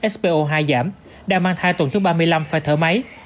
spo hai giảm đang mang thai tuần thứ ba mươi năm phải thở máy